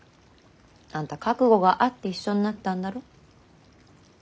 あんた覚悟があって一緒になったんだろ？